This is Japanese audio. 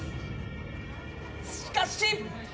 しかし。